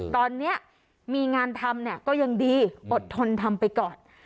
ตอนนี้มีงานทำเนี่ยก็ยังดีอดทนทำไปก่อน